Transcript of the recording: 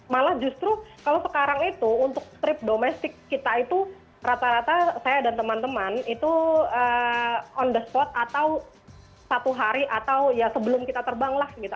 malah justru kalau sekarang itu untuk strip domestik kita itu rata rata saya dan teman teman itu on the spot atau satu hari atau ya sebelum kita terbang lah gitu